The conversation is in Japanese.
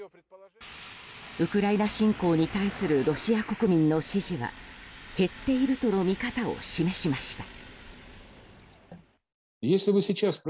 ウクライナ侵攻に対するロシア国民の支持は減っているとの見方を示しました。